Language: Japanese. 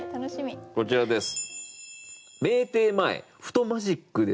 こちらです。